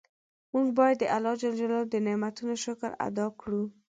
مونږ باید د الله ج د نعمتونو شکر ادا کړو.